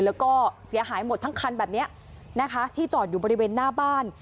แล้วก็เสียหายหมดทั้งคันแบบนี้นะคะที่จอดอยู่บริเวณหน้าบ้าน